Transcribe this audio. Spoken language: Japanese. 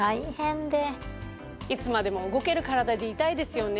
いつまでも動けるカラダでいたいですよね。